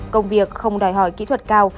công việc không đòi hỏi kỹ thuật cao